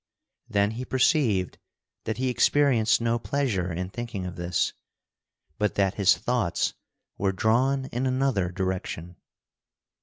Then he perceived that he experienced no pleasure in thinking of this, but that his thoughts were drawn in another direction.